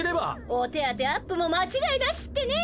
お手当てアップも間違いなしってね。